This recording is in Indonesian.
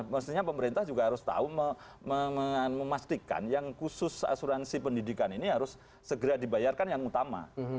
mestinya pemerintah juga harus tahu memastikan yang khusus asuransi pendidikan ini harus segera dibayarkan yang utama